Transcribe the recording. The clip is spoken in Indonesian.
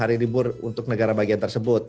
hari libur untuk negara bagian tersebut